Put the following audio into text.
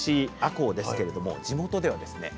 こうですけれども地元ではですね